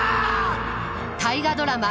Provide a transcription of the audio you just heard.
大河ドラマ